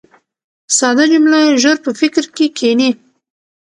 ساده جمله ژر په فکر کښي کښېني.